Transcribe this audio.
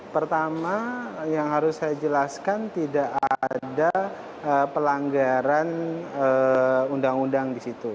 pertama yang harus saya jelaskan tidak ada pelanggaran undang undang di situ